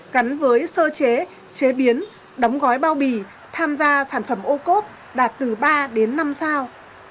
gắn với sơ chế chế biến đóng gói bao bì tham gia sản phẩm ô cốp đạt từ ba đến năm sao